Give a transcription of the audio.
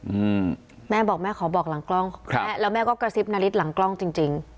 อืมแม่บอกแม่ขอบอกหลังกล้องครับแล้วแม่ก็กระซิบนาริสหลังกล้องจริงจริง